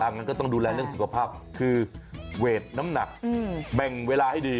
งั้นก็ต้องดูแลเรื่องสุขภาพคือเวทน้ำหนักแบ่งเวลาให้ดี